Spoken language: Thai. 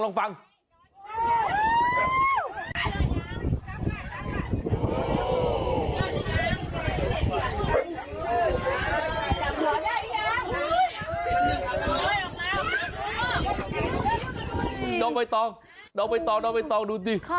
น้องไอ้ตองดูสิ